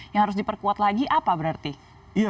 yang harus diperkuat lagi apa berarti